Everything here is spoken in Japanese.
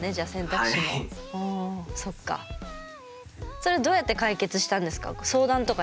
それはどうやって解決したんですか？